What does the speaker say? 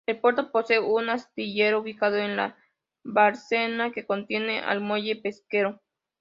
El puerto posee un astillero ubicado en la dársena que contiene al muelle pesquero.